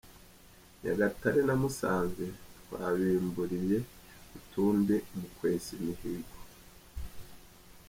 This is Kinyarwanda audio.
Nyagatare na Musanze twabimburiye utundi mu kwesa imihigo.